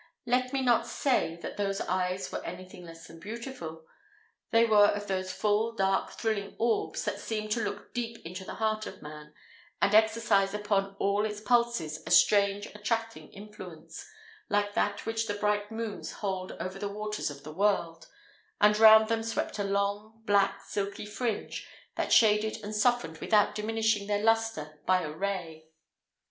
Let me not say that those eyes were anything less than beautiful. They were of those full, dark, thrilling orbs, that seem to look deep into the heart of man, and exercise upon all its pulses a strange, attracting influence, like that which the bright moon holds over the waters of the world; and round them swept a long, black, silky fringe, that shaded and softened without diminishing their lustre by a ray.